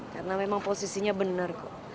karena memang posisinya benar kok